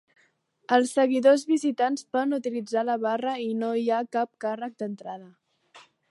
Els seguidors visitants poden utilitzar la barra i no hi ha cap càrrec d'entrada.